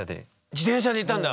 自転車で行ったんだ。